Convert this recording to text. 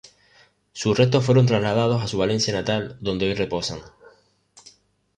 Sus restos fueron trasladados a su Valencia natal donde hoy reposan.